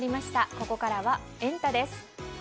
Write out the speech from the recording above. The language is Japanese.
ここからはエンタ！です。